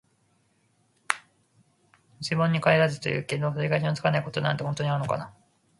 「覆水盆に返らず」って言うけど、取り返しのつかないことなんて本当にあるのかな。